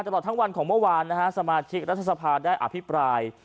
ตลอดทั้งวันของเมื่อวานนะฮะสมาชิกรัฐสภาได้อภิปราย